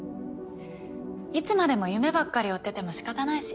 いつまでも夢ばっかり追っててもしかたないし。